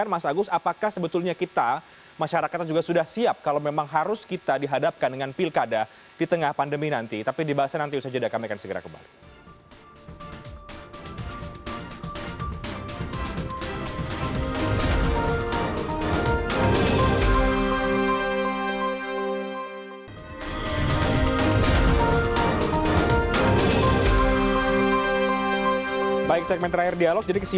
mas agus melas dari direktur sindikasi pemilu demokrasi